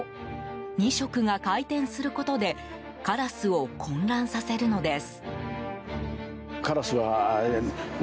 ２色が回転することでカラスを混乱させるのです。